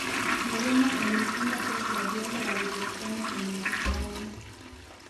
mourinho alimfunga pep guardiola walipokutana kwenye mashindano